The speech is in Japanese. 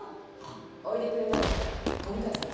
置いてくれたの小向さんでしょ？